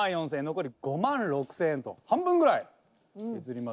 残り５万６０００円と半分ぐらい削りまして。